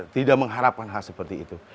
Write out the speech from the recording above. tidak mengharapkan hal seperti itu